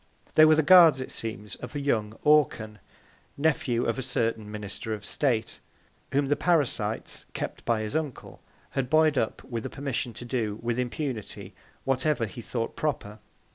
They were the Guards, it seems, of young Orcan (Nephew of a certain Minister of State) whom the Parasites, kept by his Uncle, had buoy'd up with a Permission to do, with Impunity, whatever he thought proper.